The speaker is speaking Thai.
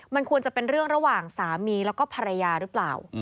มันควรจะเป็นเรื่องระหว่างสามีแล้วก็ภรรยาหรือเปล่า